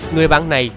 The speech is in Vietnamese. người bạn này